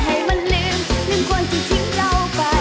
ให้มันลืมเรื่องความจะทิ้งเราไป